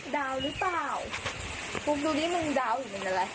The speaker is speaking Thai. ดาวหรือเปล่าปุ๊บดูนี่มันดาวอยู่เหมือนอะไร